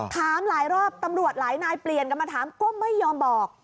ถามหลายรอบตำรวจหลายนายเปลี่ยนกันมาถามก็ไม่ยอมบอก